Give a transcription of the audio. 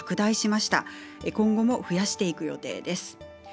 今後も増やしていく予定です。